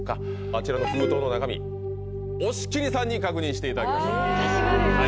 あちらの封筒の中身押切さんに確認していただきましょう私がですか？